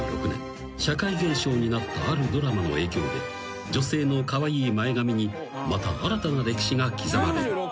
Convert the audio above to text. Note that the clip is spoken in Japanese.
［社会現象になったあるドラマの影響で女性のカワイイ前髪にまた新たな歴史が刻まれる］